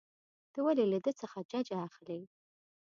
ته ولې له ده څخه ججه اخلې.